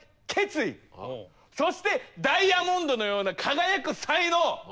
そしてダイヤモンドのような輝く才能。